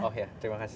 oh ya terima kasih